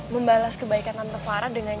membalas kebaikan tante farah dengan